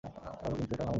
ভালো, কিন্তু এটা হয় না।